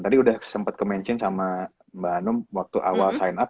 tadi udah sempet ke mention sama mbak anum waktu awal sign up